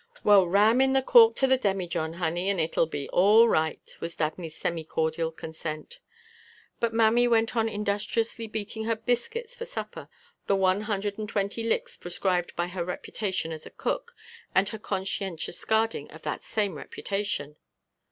"Well, ram in the cork to the demijohn, honey, and it'll be all right," was Dabney's semi cordial consent, but Mammy went on industriously beating her biscuits for supper the one hundred and twenty licks prescribed by her reputation as a cook and her conscientious guarding of that same reputation.